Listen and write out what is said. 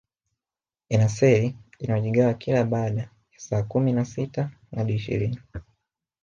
Ina seli inayojigawa kila baada ya saa kumi na sita hadi ishirini